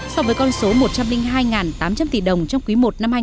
so với con số một trăm linh hai tám trăm linh tỷ đồng trong quý i năm hai nghìn hai mươi